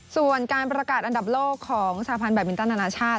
ส่วนการประกาศอันดับโลกของสหพันธ์แบบมินตันอนาชาติ